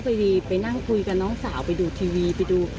ไปนั่งคุยกับน้องสาวไปดูทีวีไปดู